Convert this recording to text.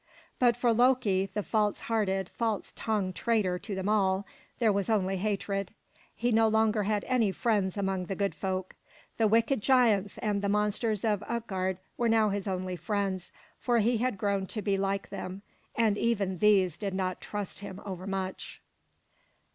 But for Loki, the false hearted, false tongued traitor to them all, there was only hatred. He no longer had any friends among the good folk. The wicked giants and the monsters of Utgard were now his only friends, for he had grown to be like them, and even these did not trust him overmuch.